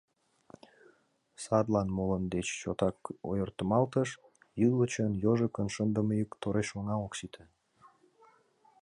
Садлан молын деч чотак ойыртемалтеш: ӱлычын йожекын шындыме ик тореш оҥа ок сите.